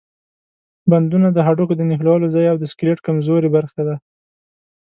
بندونه د هډوکو د نښلولو ځای او د سکلیټ کمزورې برخې دي.